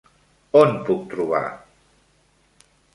On puc trobar.?